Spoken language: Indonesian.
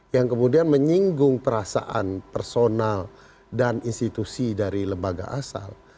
yang kemudian menyinggung perasaan personal dan institusi dari lembaga asal